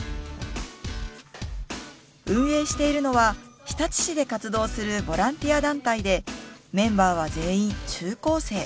運営しているのは日立市で活動するボランティア団体でメンバーは全員中高生。